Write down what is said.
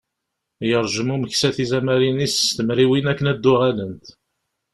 Yerjem umeksa tizamarin-is s temriwin akken ad d-uɣalent.